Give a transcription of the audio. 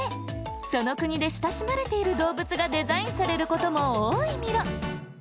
そのくにでしたしまれているどうぶつがデザインされることもおおいミロ。